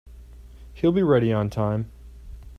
He'll be ready on time.